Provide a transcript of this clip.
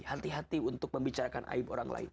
hati hati untuk membicarakan aib orang lain